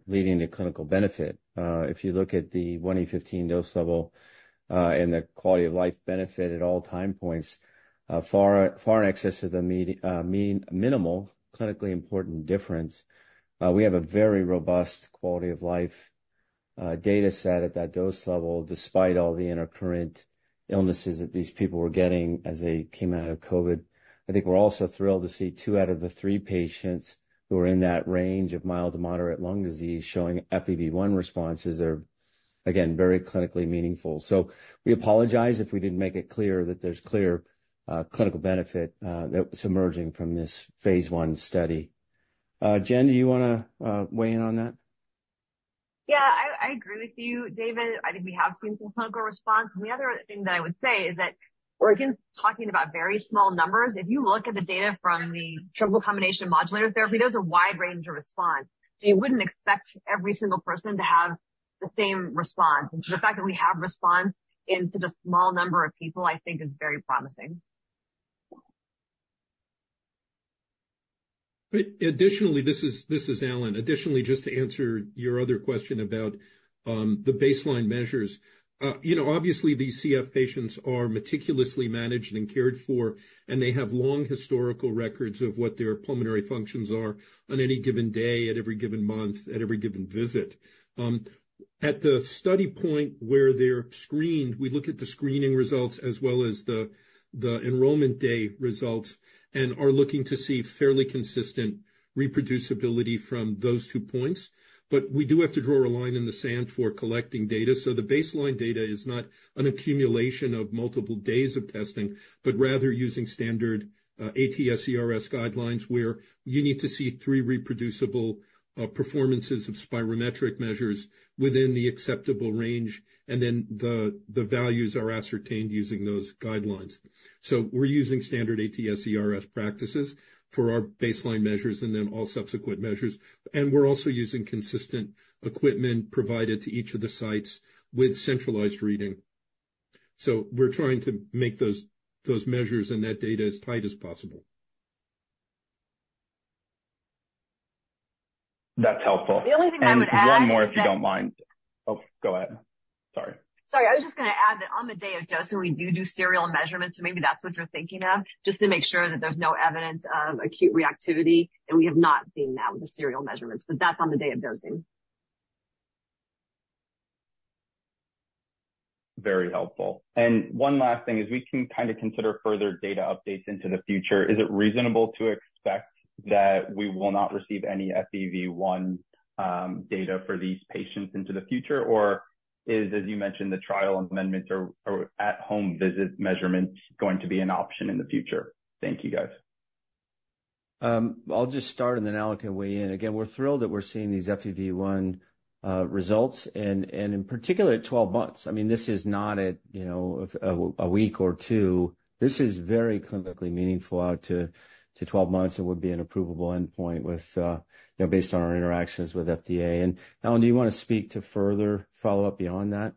C: leading to clinical benefit. If you look at the 1E15 dose level, and the quality of life benefit at all time points, far, far in excess of the minimal clinically important difference, we have a very robust quality of life data set at that dose level, despite all the intercurrent illnesses that these people were getting as they came out of COVID. I think we're also thrilled to see two out of the three patients who are in that range of mild to moderate lung disease showing FEV1 responses that are, again, very clinically meaningful. So we apologize if we didn't make it clear that there's clear clinical benefit that was emerging from this phase I study. Jen, do you wanna weigh in on that?...
E: Yeah, I, I agree with you, David. I think we have seen some clinical response. The other thing that I would say is that we're, again, talking about very small numbers. If you look at the data from the triple combination modulator therapy, there's a wide range of response. You wouldn't expect every single person to have the same response. The fact that we have response into the small number of people, I think is very promising.
D: Additionally, just to answer your other question about the baseline measures. You know, obviously, these CF patients are meticulously managed and cared for, and they have long historical records of what their pulmonary functions are on any given day, at every given month, at every given visit. At the study point where they're screened, we look at the screening results as well as the enrollment day results, and are looking to see fairly consistent reproducibility from those two points. But we do have to draw a line in the sand for collecting data. So the baseline data is not an accumulation of multiple days of testing, but rather using standard ATS/ERS guidelines, where you need to see three reproducible performances of spirometric measures within the acceptable range, and then the values are ascertained using those guidelines. We're using standard ATS/ERS practices for our baseline measures and then all subsequent measures. We're also using consistent equipment provided to each of the sites with centralized reading. We're trying to make those measures and that data as tight as possible.
I: That's helpful.
E: The only thing I would add-
I: And one more, if you don't mind. Oh, go ahead. Sorry.
E: Sorry, I was just gonna add that on the day of dosing, we do do serial measurements, so maybe that's what you're thinking of, just to make sure that there's no evidence of acute reactivity. And we have not seen that with the serial measurements, but that's on the day of dosing.
I: Very helpful. And one last thing, as we can kind of consider further data updates into the future, is it reasonable to expect that we will not receive any FEV1 data for these patients into the future? Or is, as you mentioned, the trial amendments or at-home visit measurements going to be an option in the future? Thank you, guys.
C: I'll just start, and then Alan can weigh in. Again, we're thrilled that we're seeing these FEV1 results, and in particular, at 12 months. I mean, this is not at, you know, a week or 2. This is very clinically meaningful out to 12 months and would be an approvable endpoint with, you know, based on our interactions with FDA. Alan, do you want to speak to further follow-up beyond that?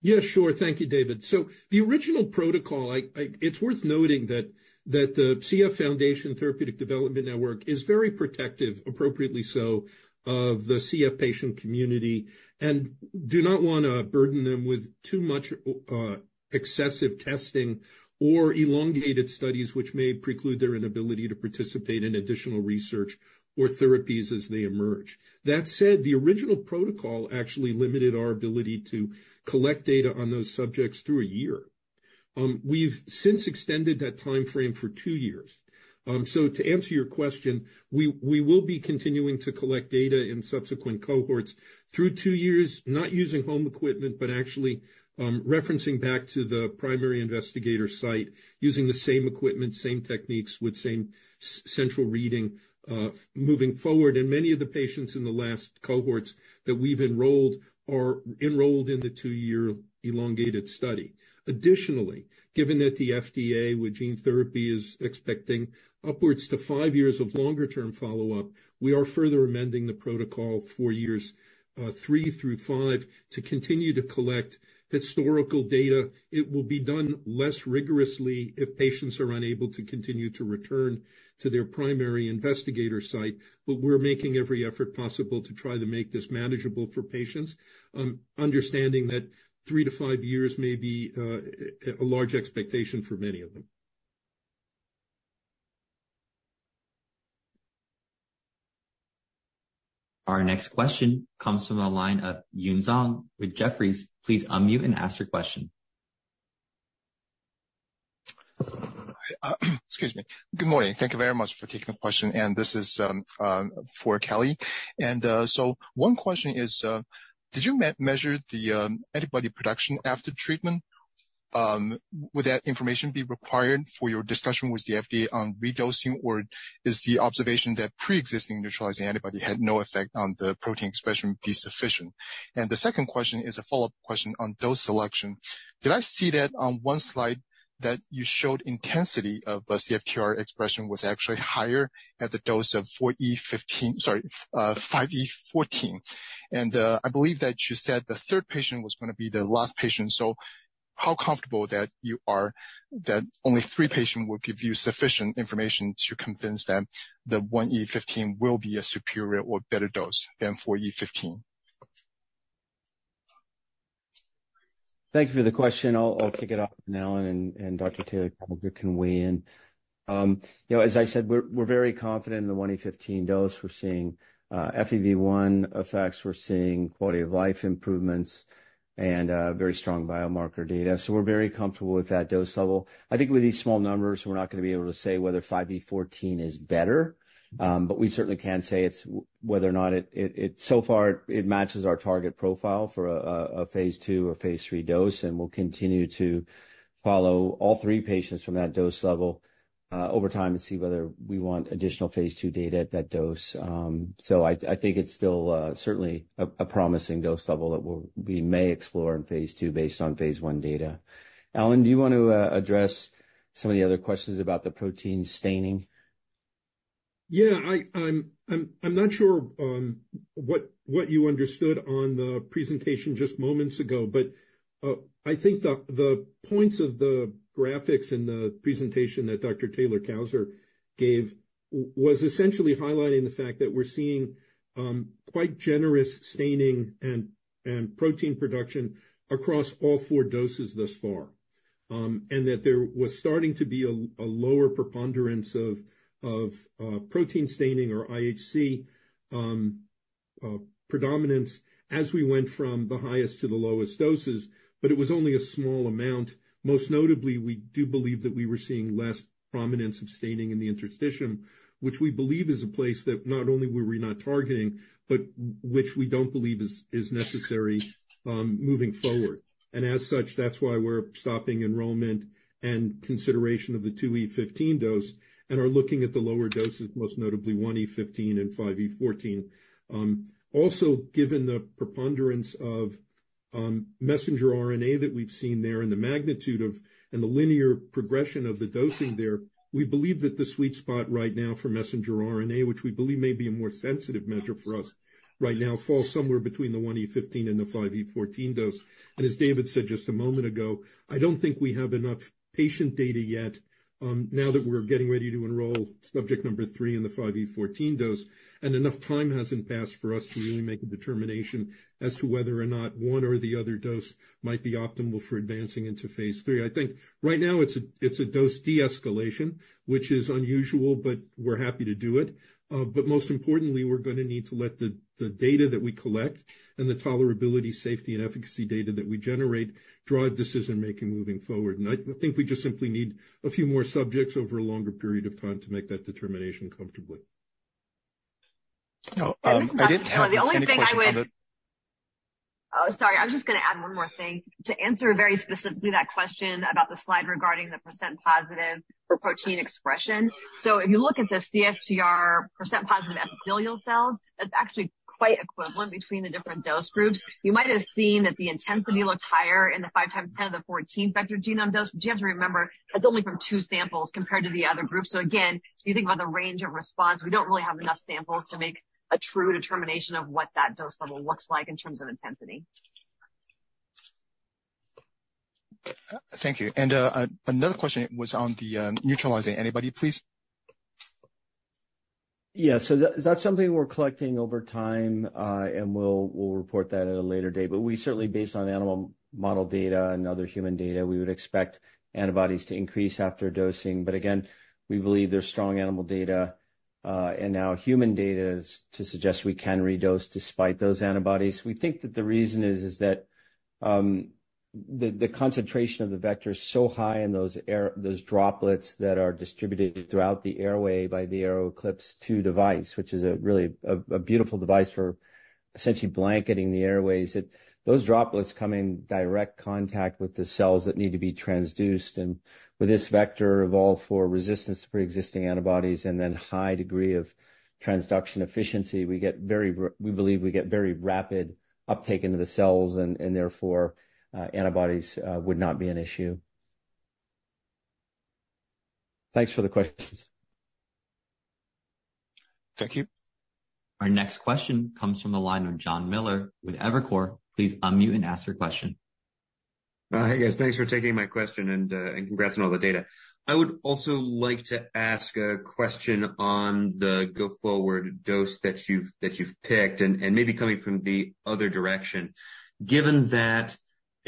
D: Yeah, sure. Thank you, David. So the original protocol, it's worth noting that the CF Foundation Therapeutic Development Network is very protective, appropriately so, of the CF patient community, and do not want to burden them with too much excessive testing or elongated studies, which may preclude their inability to participate in additional research or therapies as they emerge. That said, the original protocol actually limited our ability to collect data on those subjects through a year. We've since extended that timeframe for two years. So to answer your question, we will be continuing to collect data in subsequent cohorts through two years, not using home equipment, but actually referencing back to the primary investigator site, using the same equipment, same techniques, with same central reading, moving forward. Many of the patients in the last cohorts that we've enrolled are enrolled in the two-year elongated study. Additionally, given that the FDA, with gene therapy, is expecting upwards to 5 years of longer-term follow-up, we are further amending the protocol for years 3-5, to continue to collect historical data. It will be done less rigorously if patients are unable to continue to return to their primary investigator site. We're making every effort possible to try to make this manageable for patients, understanding that 3-5 years may be a large expectation for many of them.
A: Our next question comes from the line of Yun Zhong with Jefferies. Please unmute and ask your question.
J: Excuse me. Good morning. Thank you very much for taking the question. And this is for Kelly. And so one question is, did you measure the antibody production after treatment? Would that information be required for your discussion with the FDA on redosing, or is the observation that pre-existing neutralizing antibody had no effect on the protein expression be sufficient? And the second question is a follow-up question on dose selection. Did I see that on one slide that you showed intensity of CFTR expression was actually higher at the dose of 4E15... Sorry, 5E14? And I believe that you said the third patient was gonna be the last patient. How comfortable are you that only three patients will give you sufficient information to convince them that 1E15 will be a superior or better dose than 4E15?
C: Thank you for the question. I'll kick it off to Alan, and Dr. Taylor can weigh in. You know, as I said, we're very confident in the 1E15 dose. We're seeing FEV1 effects, we're seeing quality of life improvements, and very strong biomarker data. So we're very comfortable with that dose level. I think with these small numbers, we're not gonna be able to say whether 5E14 is better, but we certainly can say so far, it matches our target profile for a phase II or phase III dose, and we'll continue to follow all 3 patients from that dose level over time and see whether we want additional phase II data at that dose. So I think it's still certainly a promising dose level that we may explore in phase II based on phase I data. Alan, do you want to address some of the other questions about the protein staining?
D: Yeah, I'm not sure what you understood on the presentation just moments ago, but I think the points of the graphics in the presentation that Dr. Taylor-Cousar gave was essentially highlighting the fact that we're seeing quite generous staining and protein production across all four doses thus far. And that there was starting to be a lower preponderance of protein staining or IHC predominance as we went from the highest to the lowest doses, but it was only a small amount. Most notably, we do believe that we were seeing less prominence of staining in the interstitium, which we believe is a place that not only were we not targeting, but which we don't believe is necessary moving forward. As such, that's why we're stopping enrollment and consideration of the 2E15 dose and are looking at the lower doses, most notably 1E15 and 5E14. Also, given the preponderance of messenger RNA that we've seen there, and the magnitude of... and the linear progression of the dosing there, we believe that the sweet spot right now for messenger RNA, which we believe may be a more sensitive measure for us right now, falls somewhere between the 1E15 and the 5E14 dose. As David said just a moment ago, I don't think we have enough patient data yet, now that we're getting ready to enroll subject number 3 in the 5E14 dose, and enough time hasn't passed for us to really make a determination as to whether or not one or the other dose might be optimal for advancing into phase III. I think right now it's a dose de-escalation, which is unusual, but we're happy to do it. But most importantly, we're gonna need to let the data that we collect and the tolerability, safety, and efficacy data that we generate, drive decision-making moving forward. I think we just simply need a few more subjects over a longer period of time to make that determination comfortably.
J: Now, I didn't have any question on the-
E: The only thing I would... Oh, sorry. I was just gonna add one more thing. To answer very specifically that question about the slide regarding the % positive for protein expression. So if you look at the CFTR % positive epithelial cells, that's actually quite equivalent between the different dose groups. You might have seen that the intensity looks higher in the 5 × 10^14 vector genome dose, but you have to remember, that's only from 2 samples compared to the other groups. So again, if you think about the range of response, we don't really have enough samples to make a true determination of what that dose level looks like in terms of intensity.
J: Thank you. And, another question was on the, neutralizing antibody, please.
C: Yeah, so that's something we're collecting over time, and we'll report that at a later date. But we certainly, based on animal model data and other human data, would expect antibodies to increase after dosing. But again, we believe there's strong animal data, and now human data to suggest we can redose despite those antibodies. We think that the reason is that the concentration of the vector is so high in those droplets that are distributed throughout the airway by the AeroEclipse II device, which is a really beautiful device for essentially blanketing the airways. That those droplets come in direct contact with the cells that need to be transduced, and with this vector evolved for resistance to preexisting antibodies and then high degree of transduction efficiency, we get very we believe we get very rapid uptake into the cells, and, and therefore, antibodies would not be an issue. Thanks for the questions.
J: Thank you.
A: Our next question comes from the line of Jon Miller with Evercore. Please unmute and ask your question.
K: Hey, guys, thanks for taking my question, and congrats on all the data. I would also like to ask a question on the go-forward dose that you've picked, and maybe coming from the other direction. Given that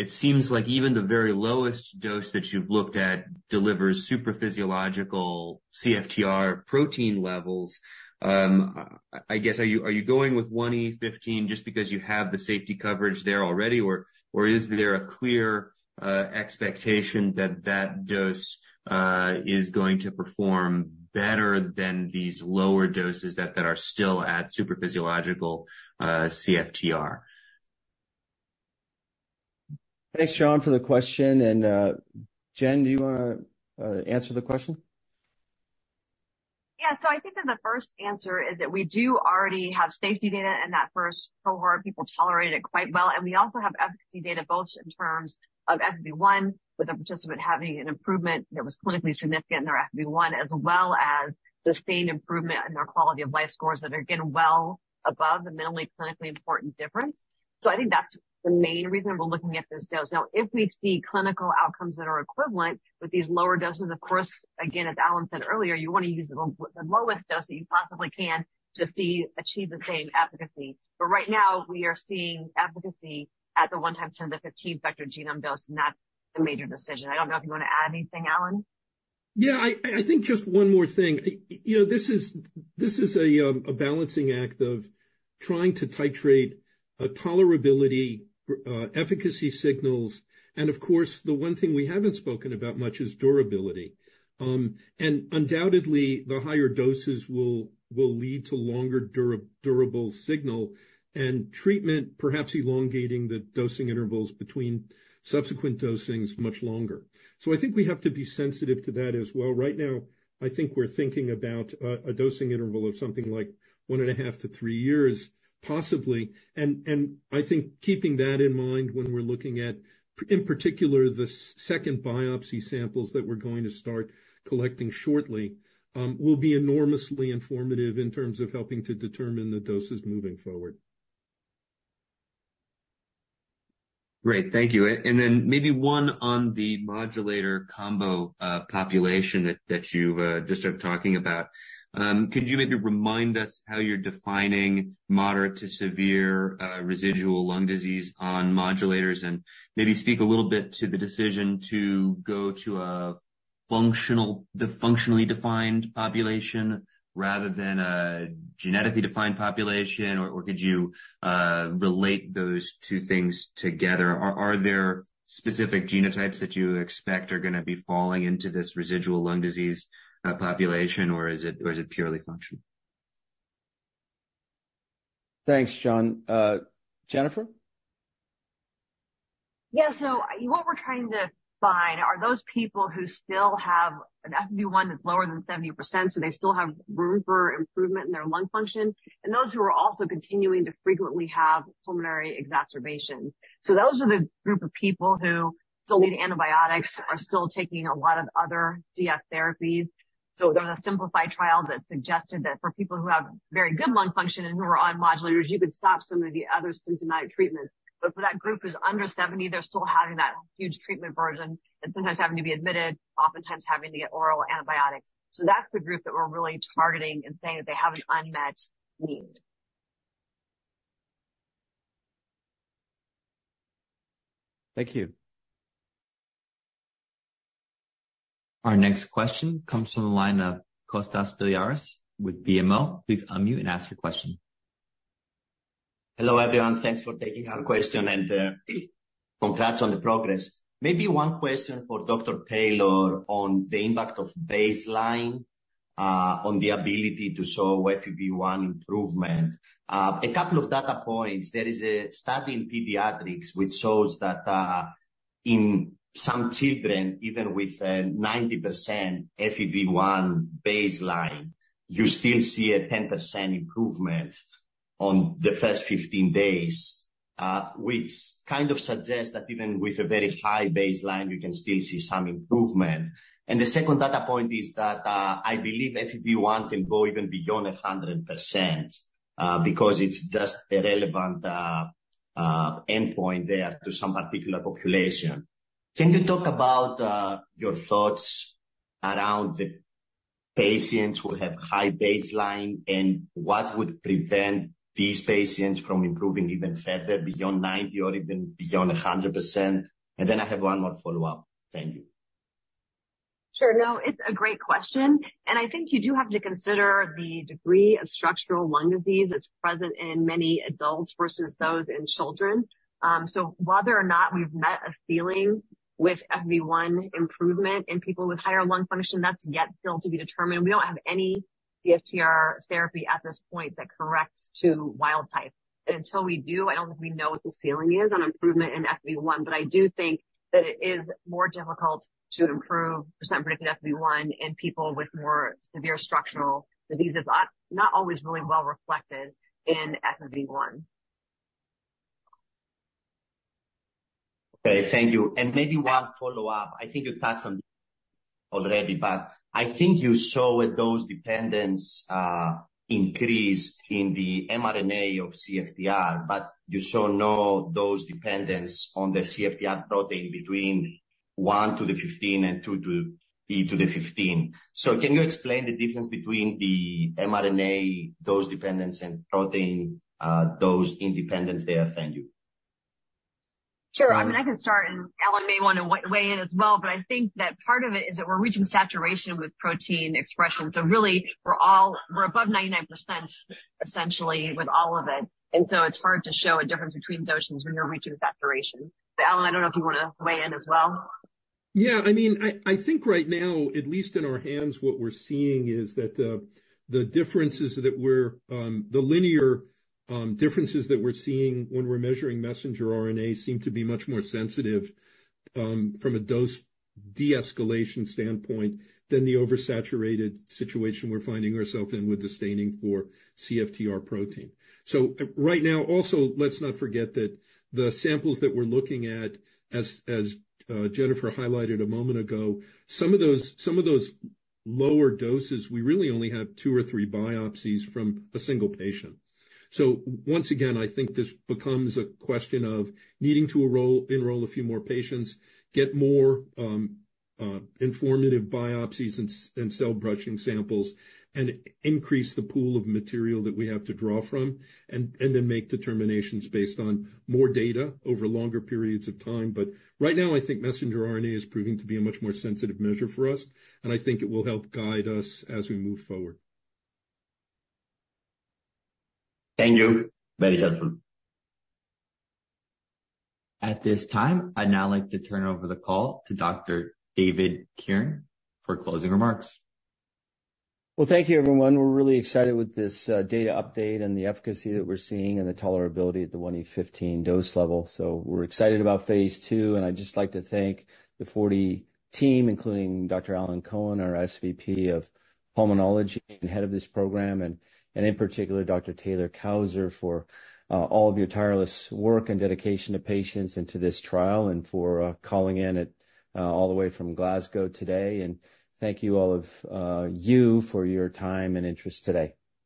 K: it seems like even the very lowest dose that you've looked at delivers supraphysiological CFTR protein levels, I guess, are you going with 1 × 10^15 just because you have the safety coverage there already? Or is there a clear expectation that that dose is going to perform better than these lower doses that are still at supraphysiological CFTR?
C: Thanks, Jon, for the question. Jen, do you wanna answer the question?
E: Yeah. So I think that the first answer is that we do already have safety data in that first cohort. People tolerate it quite well. And we also have efficacy data, both in terms of FEV1, with a participant having an improvement that was clinically significant in their FEV1, as well as sustained improvement in their quality of life scores that are, again, well above the minimally clinically important difference. So I think that's the main reason we're looking at this dose. Now, if we see clinical outcomes that are equivalent with these lower doses, of course, again, as Alan said earlier, you want to use the lowest dose that you possibly can to achieve the same efficacy. But right now, we are seeing efficacy at the 1 × 10^15 vector genome dose, and that's the major decision. I don't know if you want to add anything, Alan?
D: Yeah, I think just one more thing. You know, this is a balancing act of trying to titrate a tolerability, efficacy signals, and of course, the one thing we haven't spoken about much is durability. And undoubtedly, the higher doses will lead to longer durable signal and treatment, perhaps elongating the dosing intervals between subsequent dosings much longer. So I think we have to be sensitive to that as well. Right now, I think we're thinking about a dosing interval of something like 1.5-3 years, possibly. And I think keeping that in mind when we're looking at, in particular, the second biopsy samples that we're going to start collecting shortly, will be enormously informative in terms of helping to determine the doses moving forward.
K: Great. Thank you. And then maybe one on the modulator combo population that you just started talking about. Could you maybe remind us how you're defining moderate to severe residual lung disease on modulators? And maybe speak a little bit to the decision to go to the functionally defined population rather than a genetically defined population, or could you relate those two things together? Are there specific genotypes that you expect are gonna be falling into this residual lung disease population, or is it purely functional?
C: Thanks, Jon. Jennifer?
E: Yeah. So what we're trying to find are those people who still have an FEV1 that's lower than 70%, so they still have room for improvement in their lung function, and those who are also continuing to frequently have pulmonary exacerbation. So those are the group of people who still need antibiotics, are still taking a lot of other CF therapies. So there are simplified trials that suggested that for people who have very good lung function and who are on modulators, you could stop some of the other symptomatic treatments. But for that group who's under 70, they're still having that huge treatment burden and sometimes having to be admitted, oftentimes having to get oral antibiotics. So that's the group that we're really targeting and saying that they have an unmet need.
K: Thank you.
A: Our next question comes from the line of Kostas Biliouris with BMO. Please unmute and ask your question.
L: Hello, everyone. Thanks for taking our question, and congrats on the progress. Maybe one question for Dr. Taylor on the impact of baseline on the ability to show FEV1 improvement. A couple of data points. There is a study in pediatrics, which shows that in some children, even with a 90% FEV1 baseline, you still see a 10% improvement on the first 15 days, which kind of suggests that even with a very high baseline, you can still see some improvement. And the second data point is that I believe FEV1 can go even beyond 100%, because it's just a relevant endpoint there to some particular population. Can you talk about your thoughts around the patients who have high baseline, and what would prevent these patients from improving even further, beyond 90% or even beyond 100%? And then I have one more follow-up. Thank you. Sure. No, it's a great question, and I think you do have to consider the degree of structural lung disease that's present in many adults versus those in children. So whether or not we've met a ceiling with FEV1 improvement in people with higher lung function, that's yet still to be determined. We don't have any CFTR therapy at this point that corrects to wild type. And until we do, I don't think we know what the ceiling is on improvement in FEV1, but I do think that it is more difficult to improve percent predicted FEV1 in people with more severe structural diseases, not always really well reflected in FEV1.
E: Okay, thank you. And maybe one follow-up. I think you touched on already, but I think you saw a dose dependence, increase in the mRNA of CFTR, but you saw no dose dependence on the CFTR protein between 1 × 10^15 and 2 × 10^15. So can you explain the difference between the mRNA dose dependence and protein, dose independence there? Thank you. Sure. I mean, I can start, and Alan may want to weigh in as well, but I think that part of it is that we're reaching saturation with protein expression. So really, we're above 99%, essentially, with all of it. And so it's hard to show a difference between doses when you're reaching saturation. But Alan, I don't know if you want to weigh in as well.
D: Yeah. I mean, I think right now, at least in our hands, what we're seeing is that the linear differences that we're seeing when we're measuring messenger RNA seem to be much more sensitive from a dose de-escalation standpoint than the oversaturated situation we're finding ourselves in with the staining for CFTR protein. So, right now, also, let's not forget that the samples that we're looking at, as Jennifer highlighted a moment ago, some of those lower doses, we really only have two or three biopsies from a single patient. So once again, I think this becomes a question of needing to enroll a few more patients, get more informative biopsies and cell brushing samples, and increase the pool of material that we have to draw from, and then make determinations based on more data over longer periods of time. But right now, I think messenger RNA is proving to be a much more sensitive measure for us, and I think it will help guide us as we move forward.
L: Thank you. Very helpful.
A: At this time, I'd now like to turn over the call to Dr. David Kirn for closing remarks.
C: Well, thank you, everyone. We're really excited with this data update and the efficacy that we're seeing and the tolerability of the 1E15 dose level. So we're excited about phase II, and I'd just like to thank the 4D team, including Dr. Alan Cohen, our SVP of Pulmonary and head of this program, and in particular, Dr. Taylor-Cousar, for all of your tireless work and dedication to patients and to this trial, and for calling in from all the way from Glasgow today. Thank you all of you for your time and interest today.